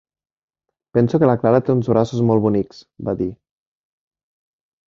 "Penso que la Clara té uns braços molt bonics", va dir.